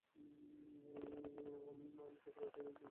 আনিস দেখল দিনু শিশুর মতো ঘুমাচ্ছে।